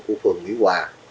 của phường mỹ hòa